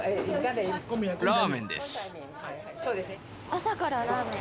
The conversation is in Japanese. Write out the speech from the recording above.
朝からラーメン？